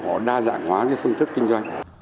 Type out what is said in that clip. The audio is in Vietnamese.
họ đa dạng hóa cái phương thức kinh doanh